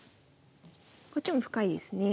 こっちも深いですね。